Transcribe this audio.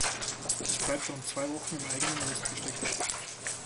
Es bleibt rund zwei Wochen in einem eigenen Nest versteckt.